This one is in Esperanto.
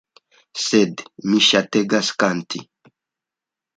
Sed mi ŝategas kanti.